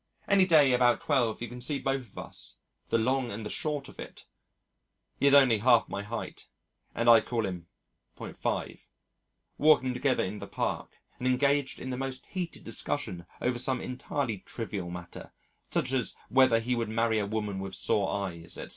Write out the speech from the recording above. Any day about twelve you can see both of us, "the long and the short of it" (he is only half my height and I call him .5), walking together in the Park, and engaged in the most heated discussion over some entirely trivial matter, such as whether he would marry a woman with sore eyes, etc.